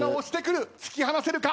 突き放せるか？